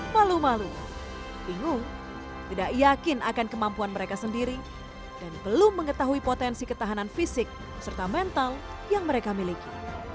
malu malu bingung tidak yakin akan kemampuan mereka sendiri dan belum mengetahui potensi ketahanan fisik serta mental yang mereka miliki